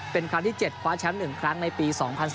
เป็นครั้งที่เจ็ดขวาแชมป์หนึ่งครั้งในปี๒๐๑๓